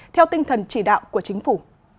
theo tinh thần chỉ đạo của chính phủ